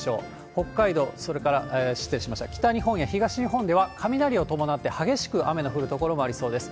北海道、それから、失礼しました、北日本や東日本では、雷を伴って激しく雨の降る所もありそうです。